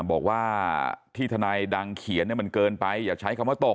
บอกว่าที่ทนายดังเขียนมันเกินไปอย่าใช้คำว่าตบ